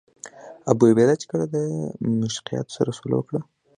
ابوعبیده چې کله له دمشقیانو سره سوله وکړه.